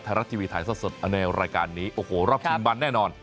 ไทยรัฐทีวีถ่ายทอดสดในรายการนี้โอ้โหรอบชิงบันแน่นอน